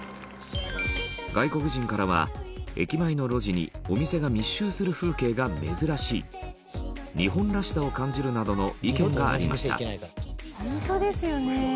外国人からは「駅前の路地にお店が密集する風景が珍しい」「日本らしさを感じる」などの意見がありました